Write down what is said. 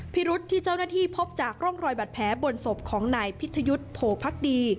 พิรุษที่เจ้าหน้าที่พบจากร่องรอยบาดแผลบนศพของนายพิทยุทธ์โพพักดี